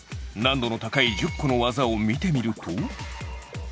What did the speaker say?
難度の高い１０個の技を見てみると。